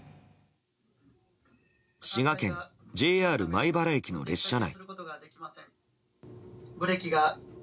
滋賀県ＪＲ米原駅の列車内。